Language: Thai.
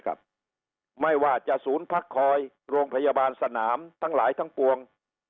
ไม่ว่าจะศูนย์พักคอยโรงพยาบาลสนามทั้งหลายทั้งปวง